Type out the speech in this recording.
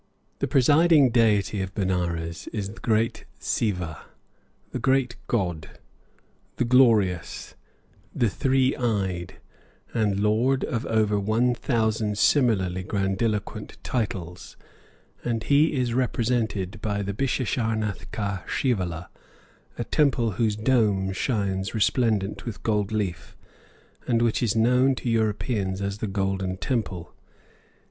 The presiding deity of Benares is the great Siva "The Great God," "The Glorious," "The Three Eyed," and lord of over one thousand similarly grandiloquent titles, and he is represented by the Bishesharnath ka shivala, a temple whose dome shines resplendent with gold leaf, and which is known to Europeans as the Golden Temple.